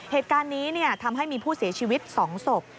เหตุการณ์นี้ทำให้มีผู้เสียชีวิต๒ศพ